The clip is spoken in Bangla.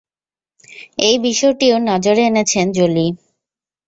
এই বিষয়টিও নজরে এনেছেন জোলি।